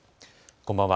こんばんは。